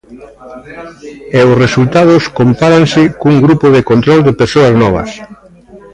E os resultados compáranse cun grupo de control de persoas novas.